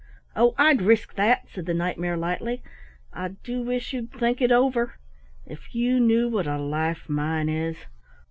"Oh, I'd risk that," said the Knight mare lightly. "I do wish you'd think it over. If you knew what a life mine is!